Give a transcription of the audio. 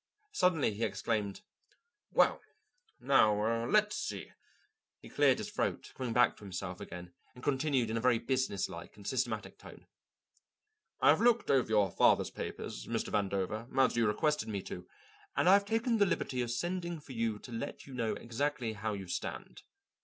Suddenly he exclaimed, "Well now, let's see." He cleared his throat, coming back to himself again, and continued in a very businesslike and systematic tone: "I have looked over your father's papers, Mr. Vandover, as you requested me to, and I have taken the liberty of sending for you to let you know exactly how you stand."